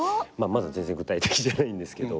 まだ全然具体的じゃないんですけど。